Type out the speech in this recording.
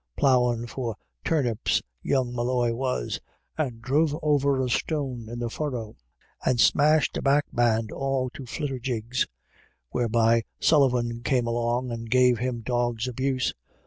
Ploughin* for THUNDER IN THE AIR. 175 turnips young Molloy was, and dhruv over as tone in the furrow, and smashed a back band all to flitterjigs ; whereby Sullivan came along and gave him dog's abuse.